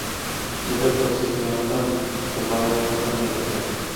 مجھے فلسفیانہ مباحث پسند نہیں ہیں